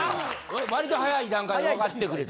割と早い段階で分かってくれて。